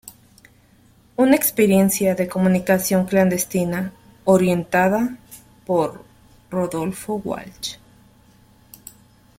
Una experiencia de comunicación clandestina orientada por Rodolfo Walsh".